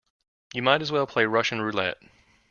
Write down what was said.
You might as well play Russian roulette.